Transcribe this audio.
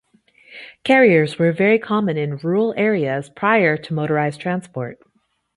Carriers were very common in rural areas prior to motorised transport.